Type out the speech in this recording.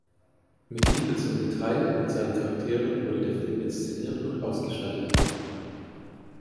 Mit Liebe zum Detail und seinen Charakteren wurde der Film inszeniert und ausgestattet.